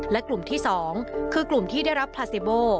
และกลุ่มที่๒คือกลุ่มที่ได้รับพลาซิโบ